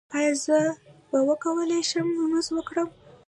ایا زه به وکولی شم لمونځ وکړم؟